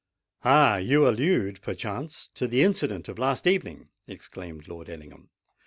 "Ah! you allude, perchance, to the incident of last evening!" exclaimed Lord Ellingham.